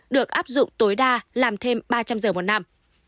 được áp dụng tối đa làm thêm ba trăm linh giờ một năm